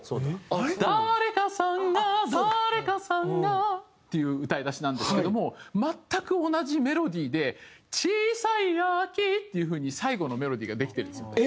「誰かさんが誰かさんが」っていう歌い出しなんですけども全く同じメロディーで「ちいさい秋」っていう風に最後のメロディーができてるんですよ。